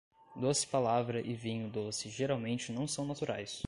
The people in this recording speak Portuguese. Doce palavra e vinho doce geralmente não são naturais.